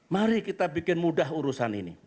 mari kita bikin mudah urusan ini